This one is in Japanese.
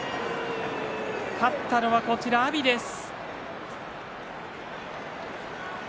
勝ったのは阿炎です。